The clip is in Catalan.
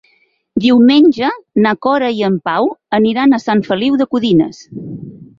Diumenge na Cora i en Pau aniran a Sant Feliu de Codines.